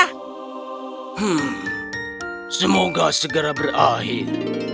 hmm semoga segera berakhir